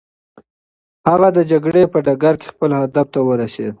هغه د جګړې په ډګر کې خپل هدف ته ورسېد.